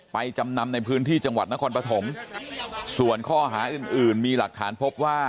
จำนำในพื้นที่จังหวัดนครปฐมส่วนข้อหาอื่นอื่นมีหลักฐานพบว่า